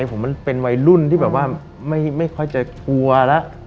ผมมันเป็นวัยรุ่นที่แบบว่าไม่ค่อยจะกลัวแล้ว